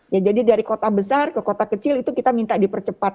ya jadi dari kota besar ke kota kecil itu kita minta dipercepat